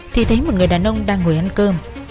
thì thấy một người đàn ông đang ngồi ăn cơm